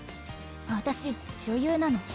私女優なの。